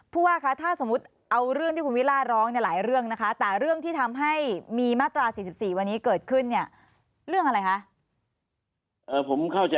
ผู้ว่าคะถ้าสมมติเอาเรื่องที่คุณวิราชรองในหลายเรื่องนะคะ